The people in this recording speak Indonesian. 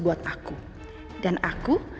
buat aku dan aku